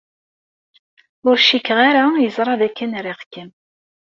Ur cikkeɣ ara yeẓra dakken riɣ-kem.